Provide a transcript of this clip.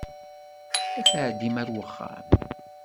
Ad tɛeddim ar wexxam.